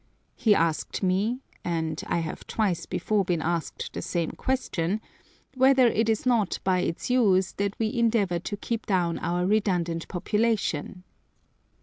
He asked me (and I have twice before been asked the same question) whether it is not by its use that we endeavour to keep down our redundant population!